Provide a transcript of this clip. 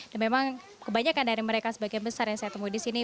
dan memang kebanyakan dari mereka sebagian besar yang saya temui di sini